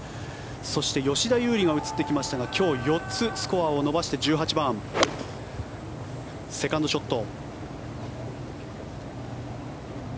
そして、吉田優利が映ってきましたが今日、４つスコアを伸ばして１８番、セカンドショット。